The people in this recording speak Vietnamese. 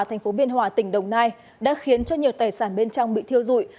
thành phố biên hòa tỉnh đồng nai đã khiến cho nhiều tài sản bên trong bị thiêu dụi